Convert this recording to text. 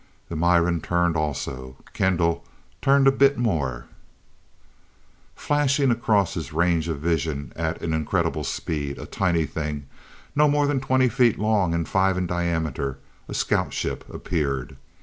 The Miran turned also. Kendall turned a bit more Flashing across his range of vision at an incredible speed, a tiny thing, no more than twenty feet long and five in diameter, a scout ship appeared.